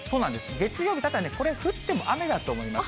月曜日、だからね、これ降っても雨だと思います。